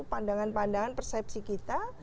pandangan pandangan persepsi kita